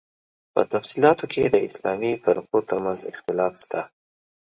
په تفصیلاتو کې یې د اسلامي فرقو تر منځ اختلاف شته.